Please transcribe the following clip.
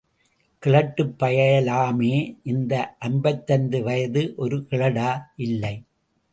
கிழட்டுப் பயலாமே... இந்த ஐம்பத்தைந்து வயது ஒரு கிழடா... இல்லை.